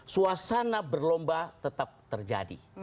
suasana berlomba tetap terjadi